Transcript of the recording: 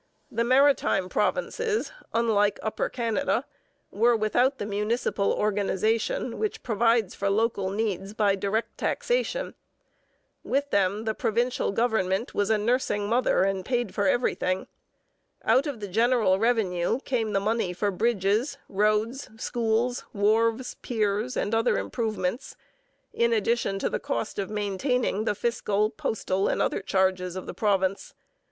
The Maritime Provinces, unlike Upper Canada, were without the municipal organization which provides for local needs by direct taxation. With them the provincial government was a nursing mother and paid for everything. Out of the general revenue came the money for bridges, roads, schools, wharves, piers, and other improvements, in addition to the cost of maintaining the fiscal, postal, and other charges of the province.